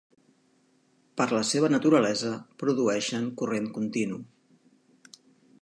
Per la seva naturalesa, produeixen corrent continu.